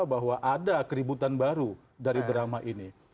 bahwa ada keributan baru dari drama ini